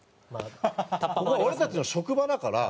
「ここは俺たちの職場だから」。